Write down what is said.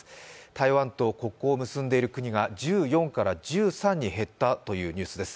台湾を国交を結ぶ国が１４から１３に減ったというニュースです。